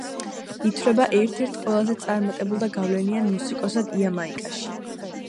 ითვლება ერთ-ერთ ყველაზე წარმატებულ და გავლენიან მუსიკოსად იამაიკაში.